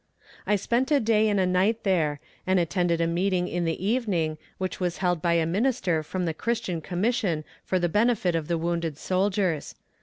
I spent a day and a night there, and attended a meeting in the evening, which was held by a minister from the Christian Commission for the benefit of the wounded soldiers.